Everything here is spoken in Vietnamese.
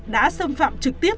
đã xâm phạm trực tiếp